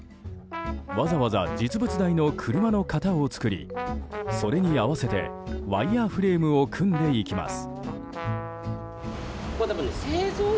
わざわざ実物大の車の型を作りそれに合わせてワイヤフレームを組んでいきます。